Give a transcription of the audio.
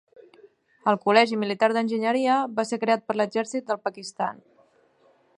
El Col·legi Militar d'Enginyeria va ser creat per l'exèrcit del Pakistan.